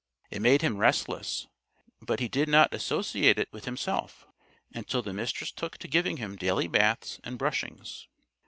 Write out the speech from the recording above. It made him restless, but he did not associate it with himself until the Mistress took to giving him daily baths and brushings.